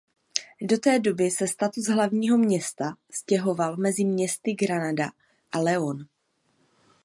Do té doby se status hlavního města stěhoval mezi městy Granada a León.